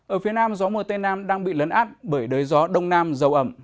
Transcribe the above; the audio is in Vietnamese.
ở phía nam gió mùa tây nam đang bị lấn át bởi đới gió đông nam dầu ẩm